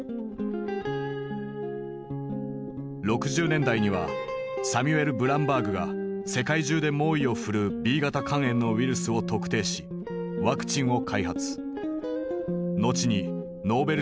６０年代にはサミュエル・ブランバーグが世界中で猛威を振るうＢ型肝炎のウイルスを特定しワクチンを開発。